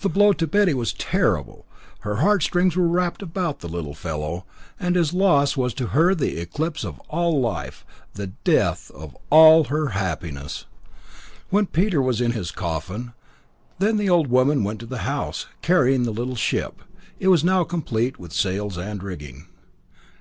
The blow to Betty was terrible; her heart strings were wrapped about the little fellow; and his loss was to her the eclipse of all light, the death of all her happiness. When Peter was in his coffin, then the old woman went to the house, carrying the little ship. It was now complete with sails and rigging.